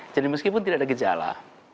jadi meskipun tidak ada gejala